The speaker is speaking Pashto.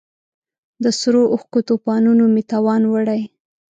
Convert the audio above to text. د سرو اوښکو توپانونو مې توان وړی